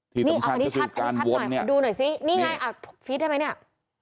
ที่สำคัญก็คือการวนเนี้ยดูหน่อยซินี่ไงอ่ะได้ไหมเนี้ย